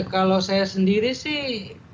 kalau saya sendiri sih